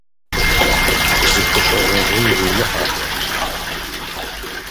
УзыхущӀегъуэжын жумыӀэ.